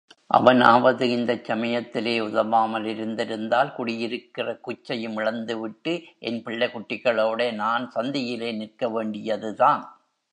அவனாவது இந்தச் சமயத்திலே உதவாமல் இருந்திருந்தால் குடியிருக்கிற குச்சையும் இழந்துவிட்டு என் பிள்ளைகுட்டிகளோட நான் சந்தியிலே நிற்கவேண்டியதுதான்.